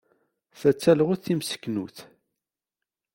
Ta d talɣut timseknut.